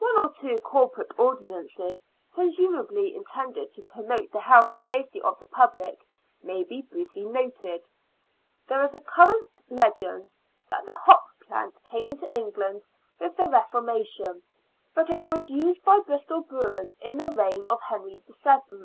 One or two corporate ordinances presumably intended to promote the health and safety of the public may be briefly noted. There is a current legend that the hop plant came into 28 SIXTEENTH CENTURY BRISTOL. England with the Reformation. But it was used by Bristol brewers in the reign of Henry VII.